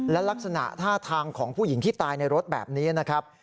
และลักษณะท่าทางของผู้หญิงที่ตายในรถแบบนี้นะครับ